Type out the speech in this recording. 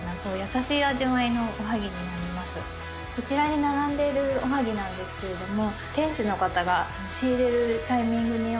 こちらに並んでいるおはぎなんですけれども。